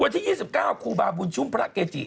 วันที่๒๙ครูบาบุญชุ่มพระเกจิ